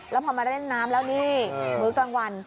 แล้วพอมาเล่นน้ำแล้วนี่มื้อกลางวัน